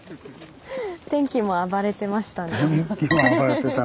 天気も暴れてたね。